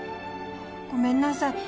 ごめんなさい